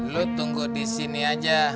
lu tunggu di sini aja